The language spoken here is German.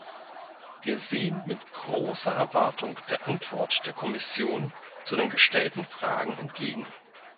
Wir sehen mit großer Erwartung der Antwort der Kommission zu den gestellten Fragen entgegen.